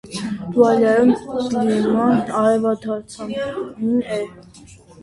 Դուալայում կլիման արևադարձային է։